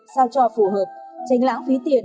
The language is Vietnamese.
sao cho phù hợp tránh lãng phí tiền